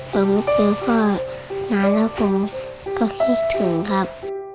ผมรู้ว่านานแล้วผมก็คิดถึงครับ